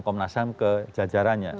komnas ham ke jajarannya